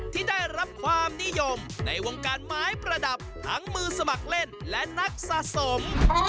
ที่ได้รับความนิยมในวงการไม้ประดับทั้งมือสมัครเล่นและนักสะสม